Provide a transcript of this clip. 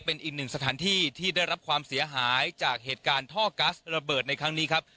เป็นอีกหนึ่งสถานที่ที่ได้รับความเสียหายจากเหตุการณ์ท่อกัสระเบิดในครั้งนี้ครับ